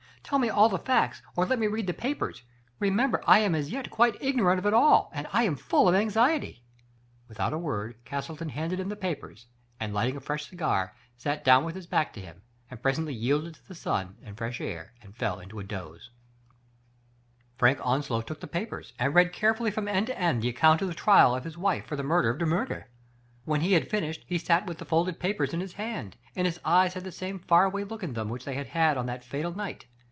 Tell me all the facts, or let me read the papers. Remem ber I am as yet quite ignorant of it all and I am full of anxiety! " Without a word Castleton handed him the papers, and, lighting a fresh cigar, sat down with his back to him, and presently yielded to the sun and fresh air and fell into a doze. Digitized by Google BRAM STOJCER. I IS Frank Onslow took the papers, and read care fully from end to end the account of the trial of his wife for the murder of De Miirger. When he had finished he sat with the folded paper in his hand, and his eyes had the same far away look in them which they had had on that fatal night.